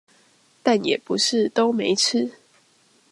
但也不是都沒吃